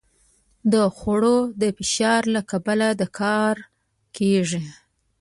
د خوړو د فشار له کبله دا کار کېږي.